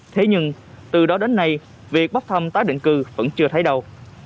thế nhưng từ đó đến nay việc bắt thăm tái định cư vẫn chưa thấy đâu